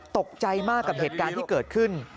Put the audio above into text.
ตกใจมากกับเหตุการณ์ที่เกิดขึ้น